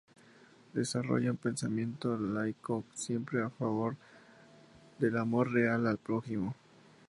Desarrolla un pensamiento laico siempre en favor del amor real al prójimo.